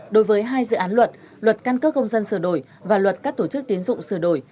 đối với hai dự án luật luật căn cước công dân sửa đổi và luật các tổ chức tiến dụng sửa đổi